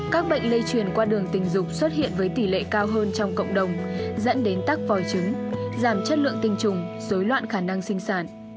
các bệnh lây truyền qua đường tình dục xuất hiện với tỷ lệ cao hơn trong cộng đồng dẫn đến tắc vòi trứng giảm chất lượng tinh trùng xối loạn khả năng sinh sản